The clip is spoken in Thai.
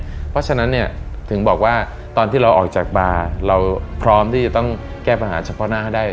เพราะฉะนั้นเนี่ยถึงบอกว่าตอนที่เราออกจากบาร์เราพร้อมที่จะต้องแก้ปัญหาเฉพาะหน้าให้ได้